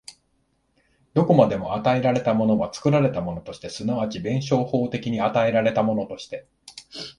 どこまでも与えられたものは作られたものとして、即ち弁証法的に与えられたものとして、